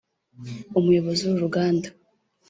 Umuyobozi w’uru ruganda